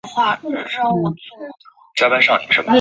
此部件是按照美国军用标准。